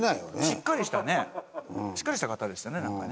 しっかりしたねしっかりした方でしたねなんかね。